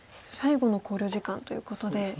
最後の考慮時間ということで。